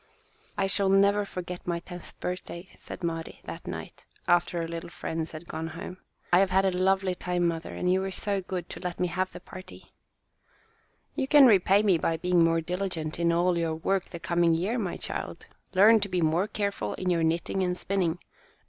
"I shall never forget my tenth birthday," said Mari, that night, after her little friends had gone home. "I have had a lovely time, mother, and you were so good to let me have the party." [Illustration: CARVED HOUSES AT THELEMARKEN.] "You can repay me by being more diligent in all your work the coming year, my child. Learn to be more careful in your knitting and spinning.